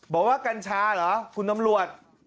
บอกว่ากัญชาเหรอคุณนำรวจ